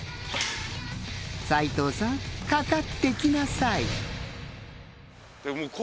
斉藤さんかかって来なさい。